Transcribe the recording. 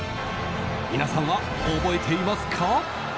皆さんは覚えていますか？